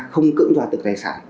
không cưỡng đoạt được tài sản